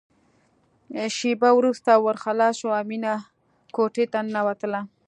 شېبه وروسته ور خلاص شو او مينه کوټې ته ننوتله